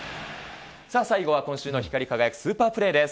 さあ、最後は今週の光り輝くスーパープレーです。